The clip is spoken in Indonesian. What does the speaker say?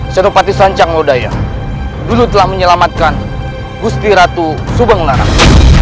senopati sancang lodaya dulu telah menyelamatkan gusti ratu subang larang